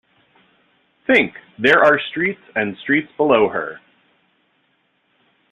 Think, there are streets and streets below her!